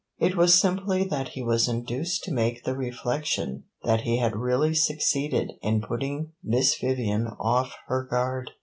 It was simply that he was induced to make the reflection that he had really succeeded in putting Miss Vivian off her guard.